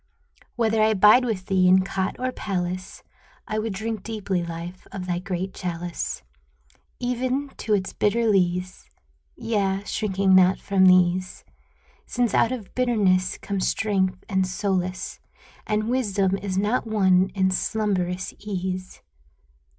Whether I bide with thee in cot or palace, I would drink deeply. Life, of thy great chalice, Even to its bitter lees — Yea, shrinking not from these, Since out of bitterness come strength and solace And wisdom is not won in slumberous ease.